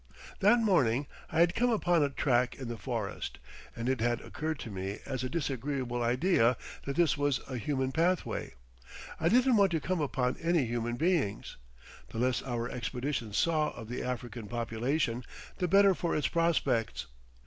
That morning I had come upon a track in the forest, and it had occurred to me as a disagreeable idea that this was a human pathway. I didn't want to come upon any human beings. The less our expedition saw of the African population the better for its prospects.